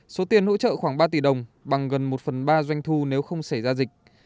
số tiền hỗ trợ khoảng ba tỷ đồng bằng gần một phần ba doanh thu nếu không xảy ra dịch